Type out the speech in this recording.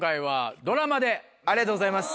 ありがとうございます。